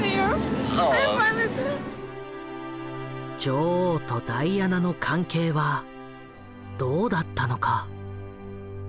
女王とダイアナの関係はどうだったのか？